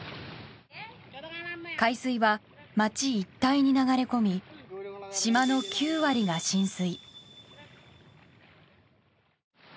海水は街一帯に流れ込み島の９割が浸水。